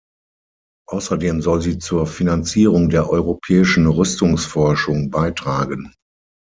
Außerdem soll sie zur Finanzierung der europäischen Rüstungsforschung beitragen.